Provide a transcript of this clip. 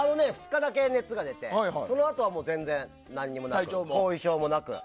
２日だけ熱が出てそのあとは全然何もなく後遺症もなく。